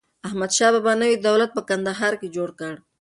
احمدشاه بابا نوی دولت په کندهار کي جوړ کړ.